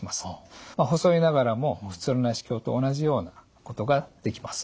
細いながらも普通の内視鏡と同じようなことができます。